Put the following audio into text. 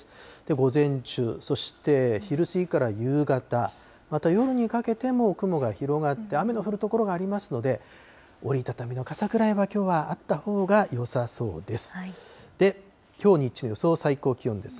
午前中、そして昼過ぎから夕方、また夜にかけても雲が広がって、雨の降る所がありますので、折り畳みの傘くらいはきょうはあったほうがよさそうです。